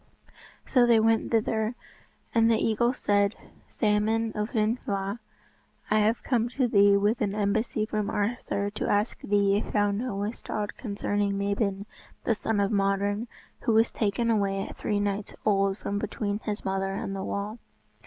So they went thither, and the eagle said, "Salmon of Llyn Llyw, I have come to thee with an embassy from Arthur to ask thee if thou knowest aught concerning Mabon, the son of Modron, who was taken away at three nights old from between his mother and the wall."